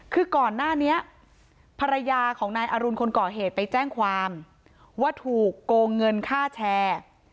คือก่อนหน้านี้ภรรยาของนายอรุณคนก่อเหตุไปแจ้งความว่าถูกโกงเงินค่าแชร์